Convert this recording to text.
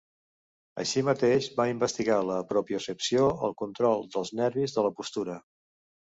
Així mateix va investigar la propiocepció, el control dels nervis de la postura.